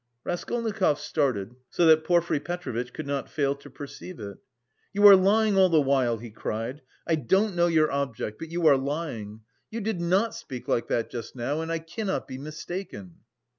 Raskolnikov started so that Porfiry Petrovitch could not fail to perceive it. "You are lying all the while," he cried, "I don't know your object, but you are lying. You did not speak like that just now and I cannot be mistaken!"